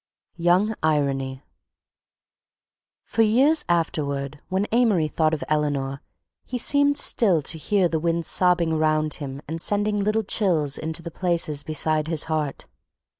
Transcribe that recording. Young Irony For years afterward when Amory thought of Eleanor he seemed still to hear the wind sobbing around him and sending little chills into the places beside his heart.